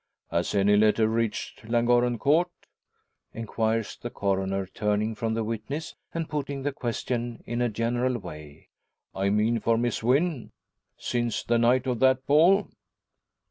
"Has any letter reached Llangorren Court?" enquires the Coroner, turning from the witness, and putting the question in a general way. "I mean for Miss Wynn since the night of that ball?"